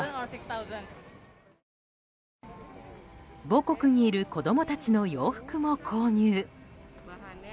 母国にいる子供たちの洋服も購入。